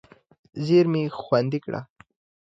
زېرمې خوندي کړه.